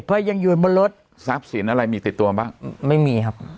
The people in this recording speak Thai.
เพราะยังอยู่บนรถซับสินอะไรมีติดตัวมั้ยปะไม่มีครับ